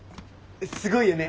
すごいよね！